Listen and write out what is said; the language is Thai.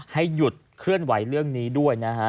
ให้หยุดเคลื่อนไหวเรื่องนี้ด้วยนะฮะ